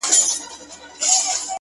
او خبرو باندي سر سو؛